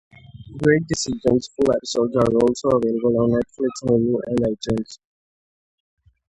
"Great Decision" full episodes are also available on Netflix, Hulu and iTunes.